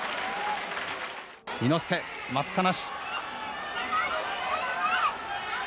伊之助、待ったなし。